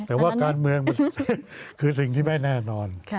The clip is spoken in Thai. แต่ว่าการเมืองมันคือสิ่งที่ไม่แน่นอน